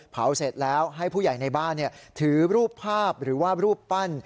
เผาเสร็จแล้วให้ผู้ใหญ่ในบ้านถือรูปภาพหรือว่ารูปปั้น